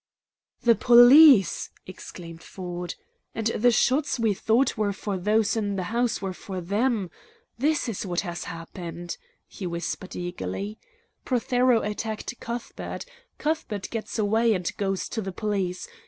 "The police!" exclaimed Ford. "And the shots we thought were for those in the house were for THEM! This is what has happened," he whispered eagerly: "Prothero attacked Cuthbert. Cuthbert gets away and goes to the police.